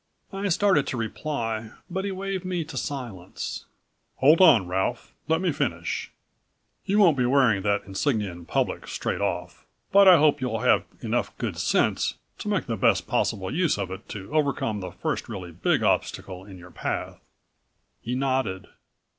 I started to reply but he waved me to silence. "Hold on, Ralph let me finish. You won't be wearing that insignia in public straight off. But I hope you'll have enough good sense to make the best possible use of it to overcome the first really big obstacle in your path." He nodded.